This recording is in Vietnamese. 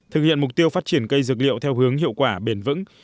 thực hiện mục tiêu phát triển cây dược liệu theo hướng hiệu quả bền vững